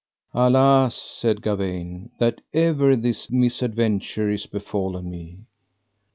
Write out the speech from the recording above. Alas, said Gawaine, that ever this misadventure is befallen me.